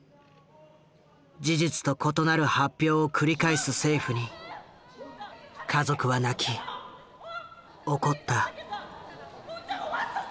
事実と異なる発表を繰り返す政府に家族は泣き怒った。